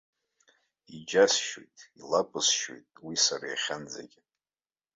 Иџьасшьоит, илакәысшьоит уи сара иахьанӡагьы.